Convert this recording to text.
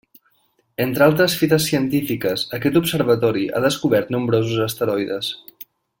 Entre altres fites científiques aquest observatori ha descobert nombrosos asteroides.